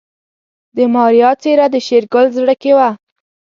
د ماريا څېره د شېرګل زړه کې وه.